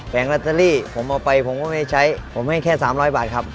ลอตเตอรี่ผมเอาไปผมก็ไม่ใช้ผมให้แค่๓๐๐บาทครับ